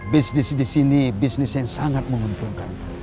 bisnis di sini bisnis yang sangat menguntungkan